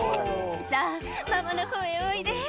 そう、ママのほうへおいで。